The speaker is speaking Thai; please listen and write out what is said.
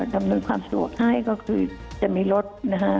ดำเนินความสะดวกให้ก็คือจะมีรถนะคะ